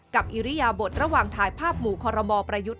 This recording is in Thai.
อิริยบทระหว่างถ่ายภาพหมู่คอรมอประยุทธ์